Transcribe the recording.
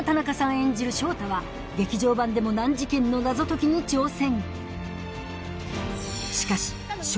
演じる翔太は劇場版でも難事件の謎解きに挑戦